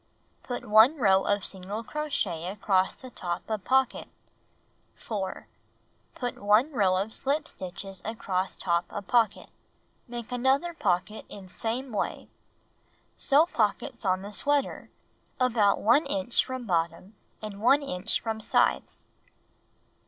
Put 1 row of single crochet across the top of pocket. 4. Put 1 row of slip stitches across top of pocket. Make another pocket in same way. Sew pockets on the sweater, about 1 inch from bottom and 1 inch from sides.